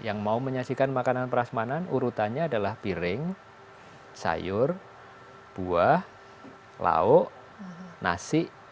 yang mau menyajikan makanan prasmanan urutannya adalah piring sayur buah lauk nasi atau sumber karbohidrat